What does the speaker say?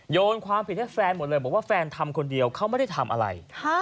โยนความผิดให้แฟนหมดเลยบอกว่าแฟนทำคนเดียวเขาไม่ได้ทำอะไร